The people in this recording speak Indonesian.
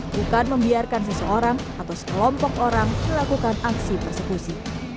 bukan membiarkan seseorang atau sekelompok orang melakukan aksi persekusi